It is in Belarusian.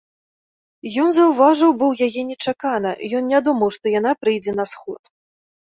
Ён заўважыў быў яе нечакана, ён не думаў, што яна прыйдзе на сход.